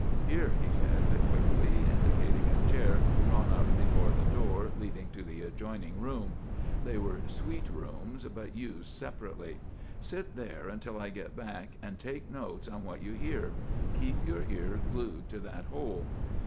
"Here," he said quickly, indicating a chair drawn up before the door leading to the adjoining room they were suite rooms but used separately. "Sit there until I get back and take notes on what you hear. Keep your ear glued to that hole."